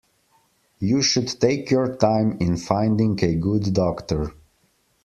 You should take your time in finding a good doctor.